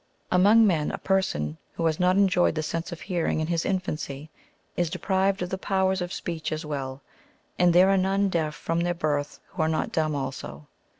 Among men, a person who has not enjoyed the sense of hearing in his infancy, is deprived of the powers of speech as well ; and there are none deaf from their birth who are not dumb also.